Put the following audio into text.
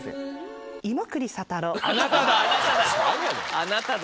あなただ！